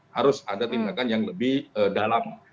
harus ada tindakan yang lebih dalam